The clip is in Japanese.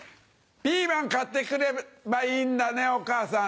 ピーマン買って来ればいいんだねお母さん。